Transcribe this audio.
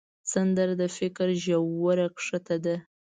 سندره د فکر ژوره ښکته ده